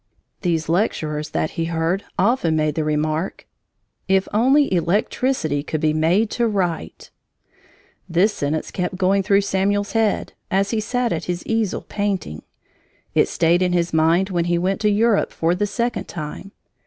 These lecturers that he heard often made the remark: "If only electricity could be made to write!" This sentence kept going through Samuel's head, as he sat at his easel, painting. It stayed in his mind when he went to Europe for the second time.